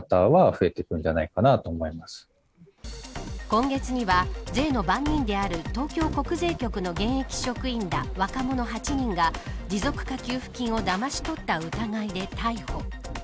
今月には、税の番人である東京国税局の現役職員ら若者８人が持続化給付金をだまし取った疑いで逮捕。